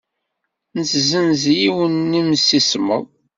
Nessenz yiwen n yemsismeḍ.